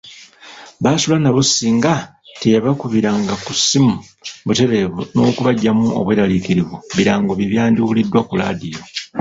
Baasula nabo singa teyabakubiranga ssimu butereevu n’okubaggyamu obweraliikirivu, birango bye byandiwuliddwa ku Laadiyo.